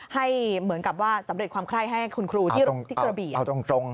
ให้เหมือนกับว่าสำเร็จความไข้ให้คุณครูที่ตรง